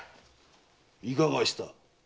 いかがした？